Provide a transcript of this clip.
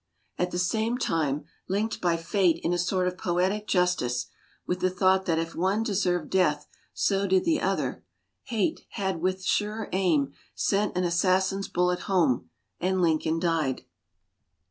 At the same time, linked by Fate in a sort of poetic justice, with the thought that if one deserved death so did the other, Hate had with surer aim sent an assassin's bullet home and Lincoln died.